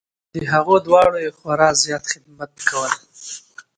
د هغو دواړو یې خورا زیات خدمت کول .